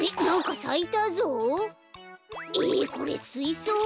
えこれすいそう？ん？